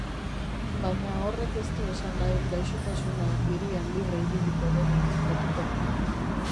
Baina horrek ez du esan nahi gaixotasuna hirian libre ibiliko denik betiko.